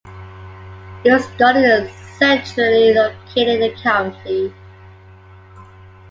New Scotland is centrally located in the county.